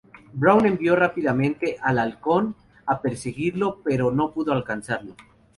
Brown envió rápidamente al "Halcón" a perseguirlo pero no pudo alcanzarlo.